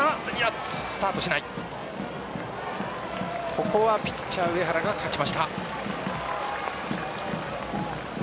ここはピッチャー・上原が勝ちました。